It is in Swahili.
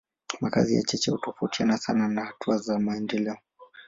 Makazi ya cheche hutofautiana sana na hatua zao za maendeleo.